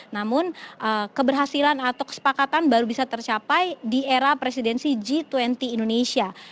namun keberhasilan atau kesepakatan baru bisa tercapai di era presidensi g dua puluh indonesia